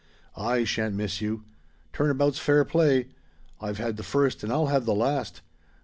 I shan't miss you. Turn about's fair play. I've had the first, and I'll have the last.